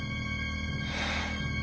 はあ